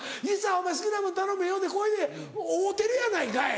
お前好きなもの頼めよ」でこれで合うてるやないかい。